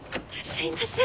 すいません。